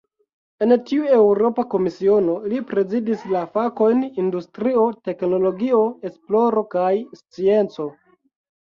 En tiu Eŭropa Komisiono, li prezidis la fakojn "industrio, teknologio, esploro kaj scienco".